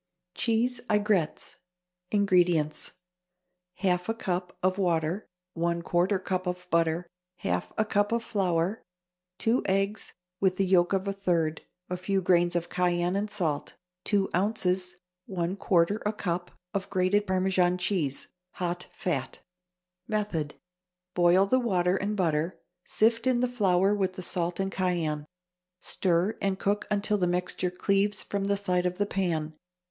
=Cheese Aigrettes.= INGREDIENTS. 1/2 a cup of water. 1/4 a cup of butter. 1/2 a cup of flour. 2 eggs, with yolk of a third. A few grains of cayenne and salt. 2 ounces (1/4 a cup) of grated Parmesan cheese. Hot fat. Method. Boil the water and butter, sift in the flour with the salt and cayenne; stir and cook until the mixture cleaves from the side of the pan.